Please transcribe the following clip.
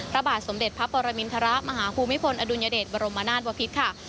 พระบาทสมเด็จพระปรมินทรมาฮภูมิพลอดุลยเดชบรมนาศบพิษค่ะ